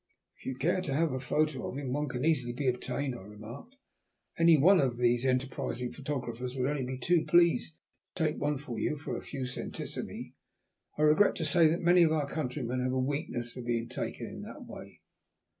"If you care to have a photo of him one can easily be obtained," I remarked. "Any one of these enterprising photographers would be only too pleased to take one for you for a few centissimi. I regret to say that many of our countrymen have a weakness for being taken in that way."